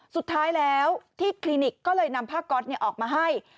สุดท้ายแล้วที่คลินิกก็เลยนำผ้าก๊อตออกมาให้